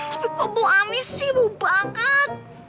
tapi kok mau amis sih mau banget